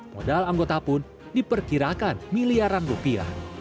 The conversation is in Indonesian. modal anggota pun diperkirakan miliaran rupiah